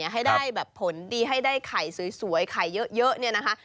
ให้ได้แบบผลดีให้ได้ไข่สวยไข่เยอะเนี่ยนะคะ